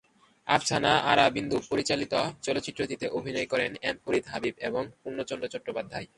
আফসানা আরা বিন্দু পরিচালিত চলচ্চিত্রটিতে অভিনয় করেন এম ফরিদ হাবিব এবং পূর্ণচন্দ্র চট্টোপাধ্যায়।